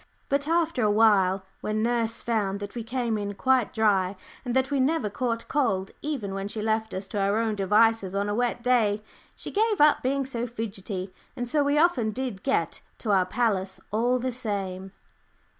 But after a while, when nurse found that we came in quite dry, and that we never caught cold even when she left us to our own devices on a wet day, she gave up being so fidgety, and so we often did get to our palace all the same.